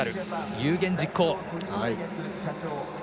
有言実行。